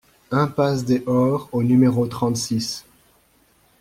Impasse des Hors au numéro trente-six